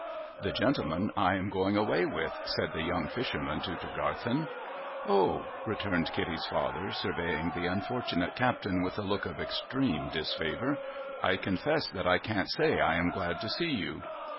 ' The gentleman I am going away with,' said the young fisherman to Tregarthen. 'O!' returned Kitty's father, surveying the unfortunate captain with a look of extreme disfavour. ' I confess that I can't say I am glad to see you.'